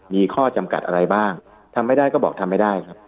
มีข้อจำกัดอะไรบ้างทำไม่ได้ก็บอกทำไม่ได้ครับ